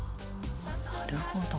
なるほど。